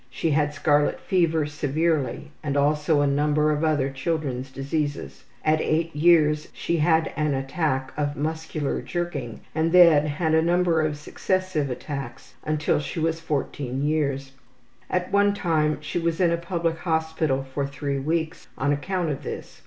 She had scarlet fever severely and also a number of other children's diseases. At 8 years she had an attack of muscular jerking, and then had a number of successive attacks until she was 14 years. At one time she was in a public hospital for three weeks on account of this.